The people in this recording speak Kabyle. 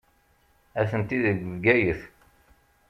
Atenti deg Bgayet.